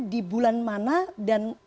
di bulan mana dan